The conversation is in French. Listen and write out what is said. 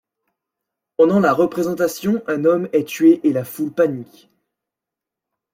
Pendant la représentation un homme est tué et la foule panique.